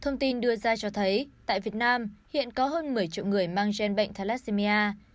thông tin đưa ra cho thấy tại việt nam hiện có hơn một mươi triệu người mang gen bệnh thalassemia